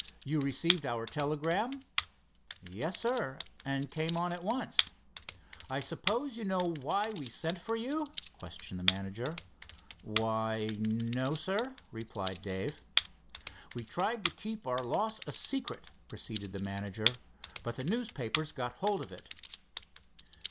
"You received our telegram?" "Yes, sir, and came on at once." "I suppose you know why we sent for you?" questioned the manager. "Why, no, sir," replied Dave. "We tried to keep our loss a secret," proceeded the manager, "but the newspapers got hold of it."